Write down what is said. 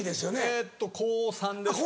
えっと高３ですけど。